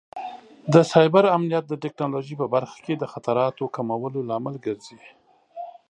د سایبر امنیت د ټکنالوژۍ په برخه کې د خطراتو کمولو لامل ګرځي.